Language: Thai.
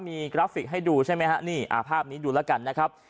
มีกราฟิกให้ดูใช่ไหมฮะนี่ภาพนี้ดูแล้วกันนะครับ